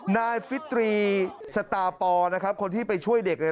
นายฟิตรีสตาปอนะครับคนที่ไปช่วยเด็กเนี่ย